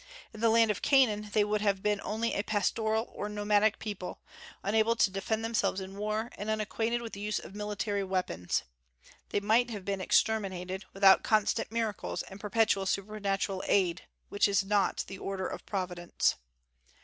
In the land of Canaan they would have been only a pastoral or nomadic people, unable to defend themselves in war, and unacquainted with the use of military weapons. They might have been exterminated, without constant miracles and perpetual supernatural aid, which is not the order of Providence.